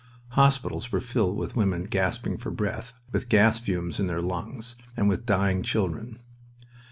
Hospitals were filled with women gasping for breath, with gas fumes in their lungs, and with dying children.